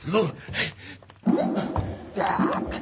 はい。